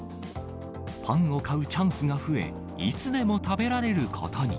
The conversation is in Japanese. パンを買うチャンスが増え、いつでも食べられることに。